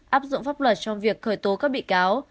áp dụng pháp luật trong việc khởi tố các bị cáo